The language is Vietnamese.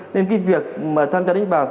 nên cái việc mà tham gia đánh bạc